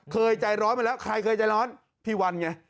เคยใจร้อนมาแล้วใครเคยใจร้อนพี่วันไง